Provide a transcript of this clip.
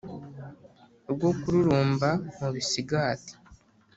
Rwo kururumba mu bisigati